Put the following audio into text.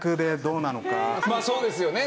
まあそうですよね。